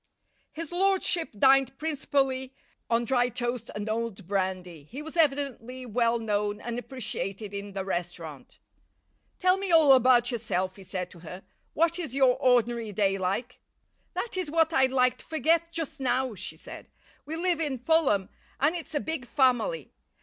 His lordship dined principally on dry toast and old brandy. He was evidently well known and appreciated in the restaurant. "Tell me all about yourself," he said to her. "What is your ordinary day like?" "That is what I'd like to forget just now," she said. "We live in Fulham, and it's a big family.